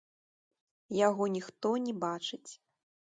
Яго ніхто не бачыць.